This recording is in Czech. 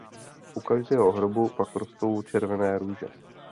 U každého hrobu pak rostou červené růže.